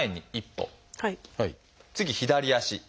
次左足。